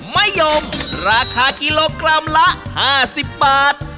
มะยมราคากิโลกรัมละ๕๐บาท